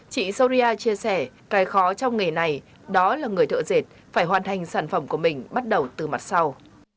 chị soria chia sẻ cái khó trong nghề này đó là người thợ dệt phải hoàn thành sản phẩm của mình bắt đầu từ mặt sau